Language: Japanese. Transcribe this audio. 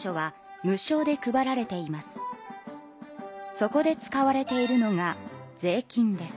そこで使われているのが税金です。